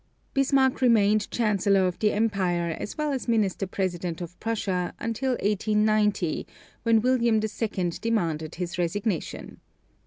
Bismarck remained Chancellor of the Empire as well as Minister President of Prussia until 1890, when William II. demanded his resignation.